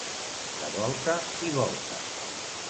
De volta i volta.